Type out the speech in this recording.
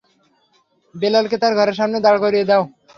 বিলাল কে তার ঘরের সামনে দাঁড় করিয়ে দাও।